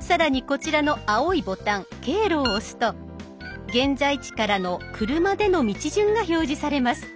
更にこちらの青いボタン「経路」を押すと現在地からの車での道順が表示されます。